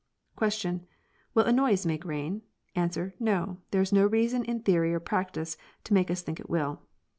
Question. Will a noise make rain? Answer. No; there is no reason in theory or practice to make us think it will.